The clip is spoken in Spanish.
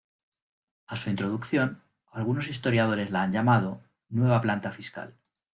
A su introducción algunos historiadores la han llamado "Nueva Planta" fiscal.